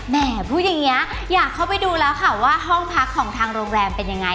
พูดอย่างนี้อยากเข้าไปดูแล้วค่ะว่าห้องพักของทางโรงแรมเป็นยังไง